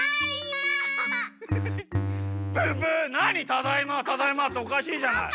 「ただいま」「ただいま」っておかしいじゃない。